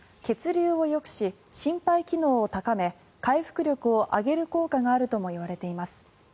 血流をよくし心肺機能を高め回復力を上げる効果があるともいわれています。